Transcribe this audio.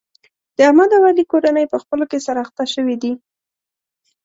د احمد او علي کورنۍ په خپلو کې سره اخته شوې دي.